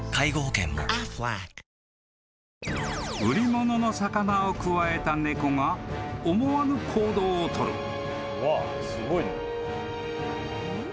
［売り物の魚をくわえた猫が思わぬ行動を取る］